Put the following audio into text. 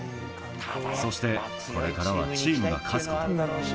そして、これからはチームが勝つこと。